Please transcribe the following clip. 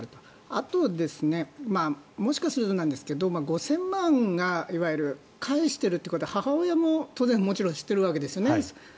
あと、もしかするとですが５０００万円が返しているということは母親も当然知っているわけですね。